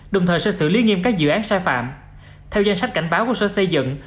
đồng thời sẽ xử lý nghiêm các dự án sai phạm theo danh sách cảnh báo của sở xây dựng